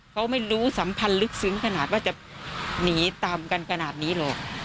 เขาไม่รู้สัมพันธ์ลึกซึ้งขนาดว่าจะหนีตามกันขนาดนี้หรอก